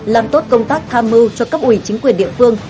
làm tốt công tác tham mưu cho cấp ủy chính quyền địa phương